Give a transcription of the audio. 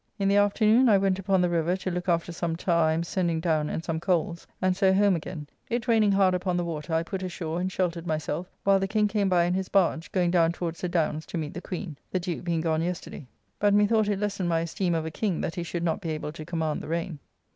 In the afternoon I went upon the river to look after some tarr I am sending down and some coles, and so home again; it raining hard upon the water, I put ashore and sheltered myself, while the King came by in his barge, going down towards the Downs to meet the Queen: the Duke being gone yesterday. But methought it lessened my esteem of a king, that he should not be able to command the rain.